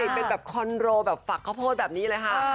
เป็นแบบคอนโรแบบฝักข้าวโพดแบบนี้เลยค่ะ